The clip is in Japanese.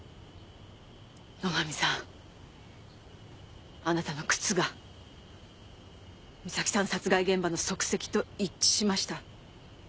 野上さんあなたの靴が美咲さん殺害現場の足跡と一致しました。